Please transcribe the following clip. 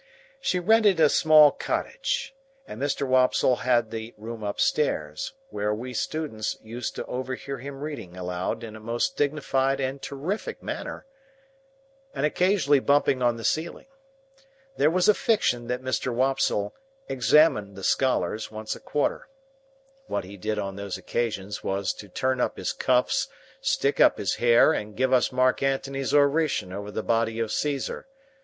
She rented a small cottage, and Mr. Wopsle had the room upstairs, where we students used to overhear him reading aloud in a most dignified and terrific manner, and occasionally bumping on the ceiling. There was a fiction that Mr. Wopsle "examined" the scholars once a quarter. What he did on those occasions was to turn up his cuffs, stick up his hair, and give us Mark Antony's oration over the body of Caesar.